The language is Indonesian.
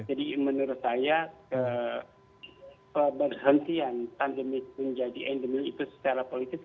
jadi menurut saya keberhentian pandemi menjadi endemik itu secara politik